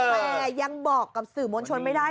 แต่ยังบอกกับสื่อมวลชนไม่ได้